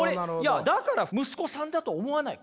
だから息子さんだと思わない。